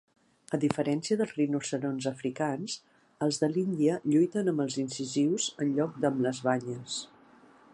A diferència dels rinoceronts africans, els de l'Índia lluiten amb els incisius en lloc d'amb les banyes.